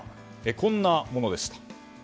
こんなものでした。